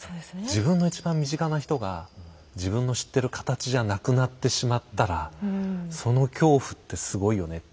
自分の一番身近な人が自分の知ってる形じゃなくなってしまったらその恐怖ってすごいよね。